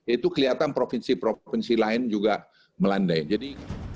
itu kelihatan provinsi provinsi lain juga melandai